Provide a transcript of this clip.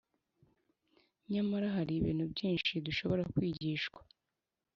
nyamara hari ibintu byinshi dushobora kwigishwa